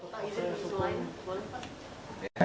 pak ini bersumpah